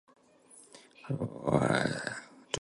“What are we to do?” inquired the man of business.